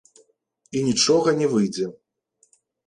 І нічога не выйдзе.